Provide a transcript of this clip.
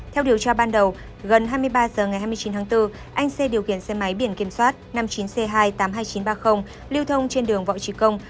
theo điều tra ban đầu gần hai mươi ba h ngày hai mươi chín tháng bốn anh xe điều khiển xe máy biển kiểm soát năm mươi chín c hai tám mươi hai nghìn chín trăm ba mươi lưu thông trên đường võ trí công